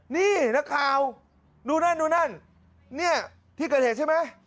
นี่นักข่าวดูนั่นดูนั่นเนี่ยที่เกิดเหตุใช่ไหม